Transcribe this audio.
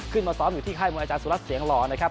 ซ้อมอยู่ที่ค่ายมวยอาจารสุรัสตร์เสียงหล่อนะครับ